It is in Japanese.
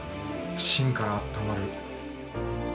芯からあったまる。